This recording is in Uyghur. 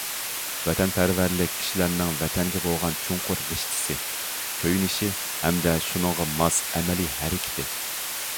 ۋەتەنپەرۋەرلىك كىشىلەرنىڭ ۋەتەنگە بولغان چوڭقۇر رىشتىسى، كۆيۈنۈشى ھەمدە شۇنىڭغا ماس ئەمەلىي ھەرىكىتى.